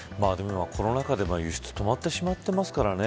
コロナ禍で輸出止まってしまってますからね。